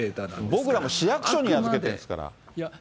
僕らも市役所に預けてるんですから。